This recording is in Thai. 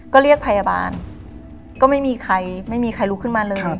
ก็เรียกพยาบาลก็ไม่มีใครไม่มีใครลุกขึ้นมาเลย